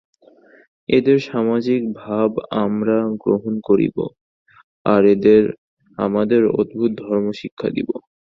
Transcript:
এদের সামাজিক ভাব আমরা গ্রহণ করিব, আর এদের আমাদের অদ্ভুত ধর্ম শিক্ষা দিব।